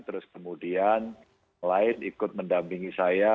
terus kemudian lain ikut mendampingi saya